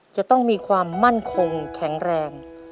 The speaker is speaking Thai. จะต้องมีความมั่นคงแข็งแรง